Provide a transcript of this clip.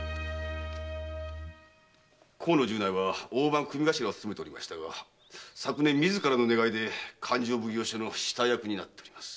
河野十内は大番組頭を勤めておりましたが昨年自らの願いで勘定奉行所の下役になっております。